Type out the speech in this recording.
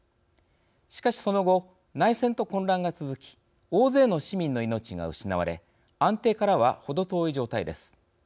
しかし、その後内戦と混乱が続き大勢の市民の命が失われ安定からは程遠い状態です。